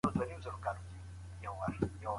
استاد وویل چي هر څه په هڅه لاسته راځي.